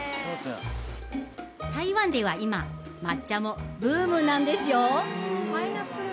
台湾では今抹茶もブームなんですよ